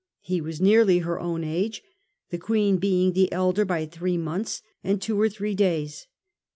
He was nearly her own age, the Queen being the elder by three months and two or three days.